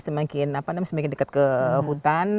semakin dekat ke hutan